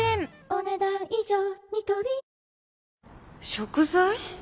食材？